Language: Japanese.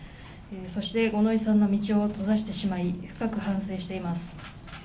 そして五ノ井さんの道を閉ざしてしまい、深く反省しています。